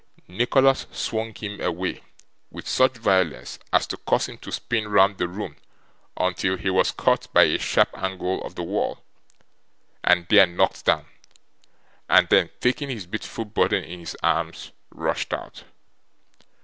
Nicholas swung him away, with such violence as to cause him to spin round the room until he was caught by a sharp angle of the wall, and there knocked down; and then taking his beautiful burden in his arms rushed out.